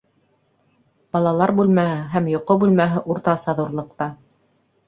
Балалар бүлмәһе һәм йоҡо бүлмәһе уртаса ҙурлыҡта